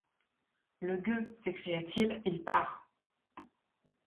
Le gueux! s’écria-t-il, il part !